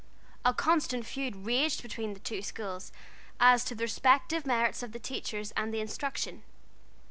A constant feud raged between the two schools as to the respective merits of the teachers and the instruction.